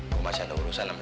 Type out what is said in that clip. gue masih ada urusan sama sel